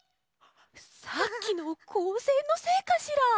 さっきのこうせんのせいかしら？